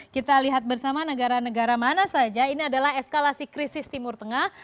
kita lihat bersama negara negara mana saja ini adalah eskalasi krisis timur tengah